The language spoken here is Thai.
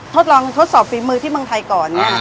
ทดลองทดสอบฝีมือที่เมืองไทยก่อน